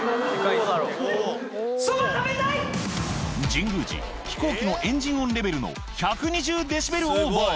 神宮寺、飛行機のエンジン音レベルの１２０デシベルオーバー。